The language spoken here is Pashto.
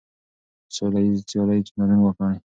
په سوله ییزه سیالۍ کې ګډون وکړئ.